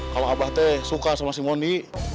kalau abah suka sama si mondi